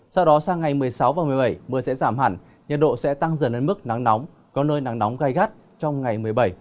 sau đó sang ngày một mươi sáu và một mươi bảy mưa sẽ giảm hẳn nhiệt độ sẽ tăng dần lên mức nắng nóng có nơi nắng nóng gai gắt trong ngày một mươi bảy